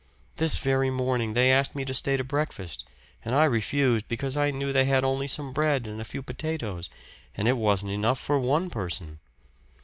This very morning they asked me to stay to breakfast, and I refused, because I knew they had only some bread and a few potatoes, and it wasn't enough for one person.